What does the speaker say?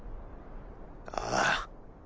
ああ。